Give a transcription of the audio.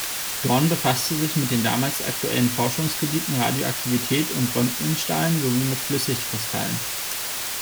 Dorn befasste sich mit den damals aktuellen Forschungsgebieten Radioaktivität und Röntgenstrahlen sowie mit Flüssigkristallen.